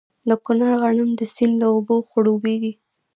د کونړ غنم د سیند له اوبو خړوبیږي.